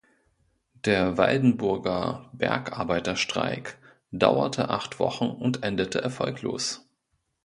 Der Waldenburger Bergarbeiterstreik dauerte acht Wochen und endete erfolglos.